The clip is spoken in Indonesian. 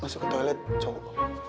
masuk ke toilet cowok